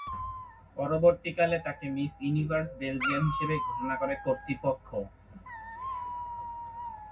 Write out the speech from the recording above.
পরবর্তীকালে তাকে 'Miss Universe Belgium' হিসেবে ঘোষণা করে কর্তৃপক্ষ।